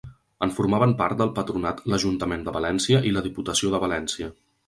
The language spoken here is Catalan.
En formaven part del patronat l'Ajuntament de València i la Diputació de València.